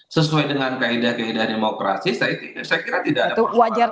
sesuai dengan kaedah kaedah demokrasi saya kira tidak ada